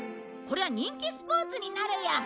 こりゃ人気スポーツになるよ。